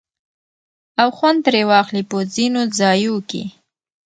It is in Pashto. او خوند ترې واخلي په ځينو ځايو کې